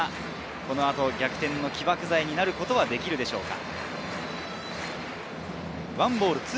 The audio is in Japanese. このあと逆転の起爆剤になることができるでしょうか。